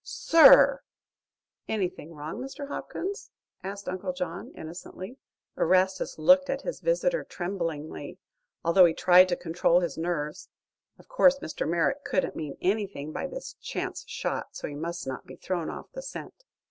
"Sir!" "Anything wrong, Mr. Hopkins?" asked Uncle John, innocently. Erastus looked at his visitor tremblingly, although he tried to control his nerves. Of course Mr. Merrick couldn't mean anything by this chance shot, so he must be thrown off the scent.